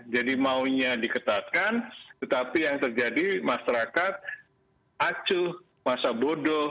jadi maunya diketatkan tetapi yang terjadi masyarakat acuh masa bodoh